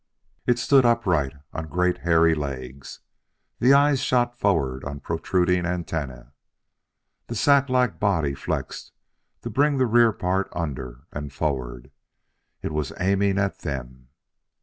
It stood upright on great hairy legs. The eyes shot forward on protruding antennae. The sack like body flexed to bring the rear part under and forward. It was aiming at them.